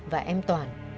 và em toàn